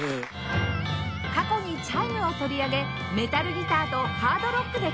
過去にチャイムを取り上げメタルギターとハードロックで共演